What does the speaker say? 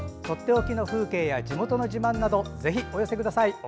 とっておきの風景や地元の自慢などお寄せください。